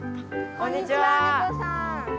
こんにちは。